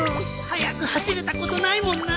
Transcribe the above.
速く走れたことないもんな。